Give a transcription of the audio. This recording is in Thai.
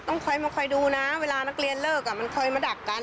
ต้องคอยมาคอยดูนะเวลามันเลือกมันคอยมาดับกัน